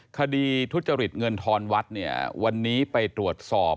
คดีทุจริตเงินทอนวัดเนี่ยวันนี้ไปตรวจสอบ